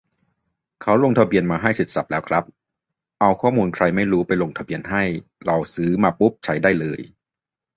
เขาลงทะเบียนมาให้เสร็จสรรพแล้วครับ เอาข้อมูลใครไม่รู้ไปลงทะเบียนให้ เราซื้อมาปุ๊บใช้ได้เลย